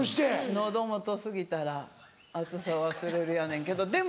喉元過ぎたら熱さ忘れるやねんけどでも。